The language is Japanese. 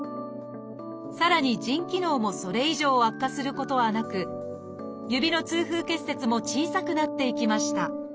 さらに腎機能もそれ以上悪化することはなく指の痛風結節も小さくなっていきました